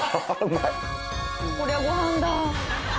こりゃご飯だ。